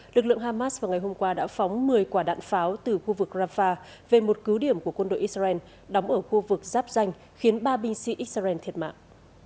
lực lượng hamas vào ngày hôm qua đã phóng một mươi quả đạn pháo từ khu vực rafah về một cứu điểm của quân đội israel đóng ở khu vực giáp danh khiến ba binh sĩ israel thiệt mạng